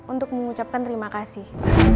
untuk mengucapkan terima kasih